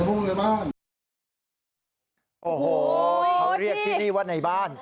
เขาเรียกที่นี่ว่า